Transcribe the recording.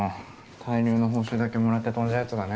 体入の報酬だけもらって飛んじゃうやつがね。